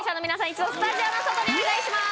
一度スタジオの外にお願いします